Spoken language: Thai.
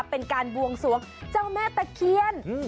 เป็นการบวงสวงเจ้าแม่ตะเคียน